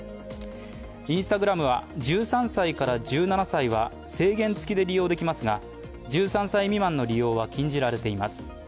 Ｉｎｓｔａｇｒａｍは１３歳から１７歳は制限つきで利用できますが１３歳未満の利用は禁じられています。